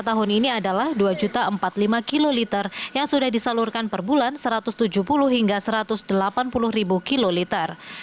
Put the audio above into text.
tahun ini adalah dua empat puluh lima kiloliter yang sudah disalurkan per bulan satu ratus tujuh puluh hingga satu ratus delapan puluh kiloliter